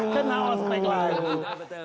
kena ospek lagi